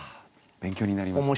勉強になります。